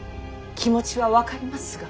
気持ちは分かりますが。